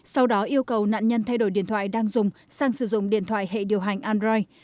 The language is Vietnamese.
sau đó yêu cầu nạn nhân thay đổi điện thoại đang dùng sang sử dụng điện thoại hệ điều hành android